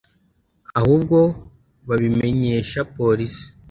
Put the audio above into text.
ahubwo babimenyesha Polisi